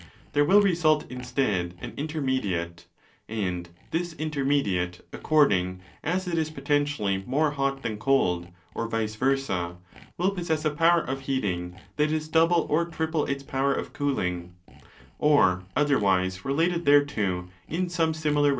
There will result instead an 'intermediate': and this 'intermediate', according as it is potentially more hot than cold or wice versa, will possess a power of heating that is double or triple its power of cooling, or otherwise related thereto in some similar ratio.